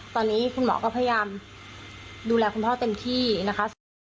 ตอนนี้คุณหมอก็พยายามดูแลคุณพ่อเต็มที่นะคะ